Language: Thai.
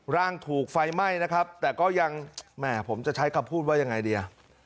ร่างถูกไฟไหม้นะครับแต่ก็ยังแหมผมจะใช้คำพูดว่ายังไงดี